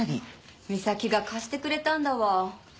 美咲が貸してくれたんだわ。